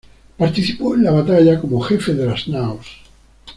Participó en la batalla como jefe de las naos.